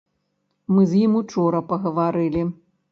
Мы з ім учора пагаварылі.